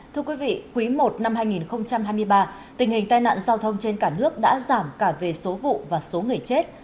thưa quý vị quý i năm hai nghìn hai mươi ba tình hình tai nạn giao thông trên cả nước đã giảm cả về số vụ và số người chết